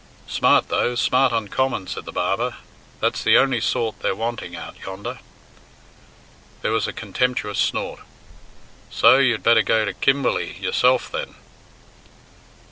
"Smart though, smart uncommon," said the barber; "that's the only sort they're wanting out yonder." There was a contemptuous snort. "So? You'd better go to Kimberley yourself, then."